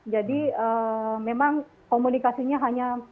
jadi memang komunikasinya hanya